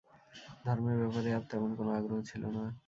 ধর্মের ব্যাপারে তার তেমন কোন আগ্রহ ছিল না।